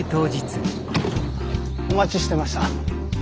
お待ちしてました。